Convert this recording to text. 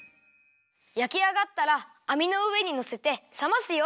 やきあがったらあみのうえにのせてさますよ。